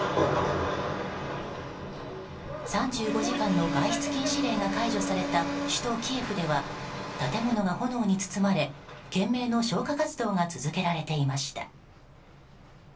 ３５時間の外出禁止令が解除された首都キエフでは建物は炎に包まれ懸命の消火活動が続けられていました。